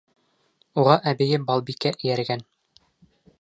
Уға әбейе Балбикә эйәргән.